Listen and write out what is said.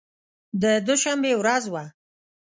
د دوشنبې ورځ وه.